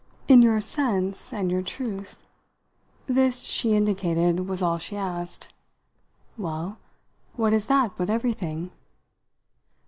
"In your sense and your truth?" This, she indicated, was all she asked. "Well, what is that but everything?"